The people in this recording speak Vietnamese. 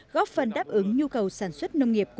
chưa quan tâm sát sao nội dung hội thảo